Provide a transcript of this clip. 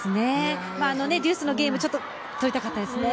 ジュースのゲーム、取りたかったですね。